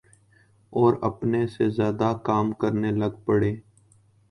اوراپنے سے زیادہ کام کرنے لگ پڑیں۔